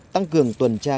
tăng cường tuần tra